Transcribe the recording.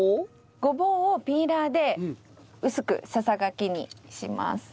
ごぼうをピーラーで薄くささがきにします。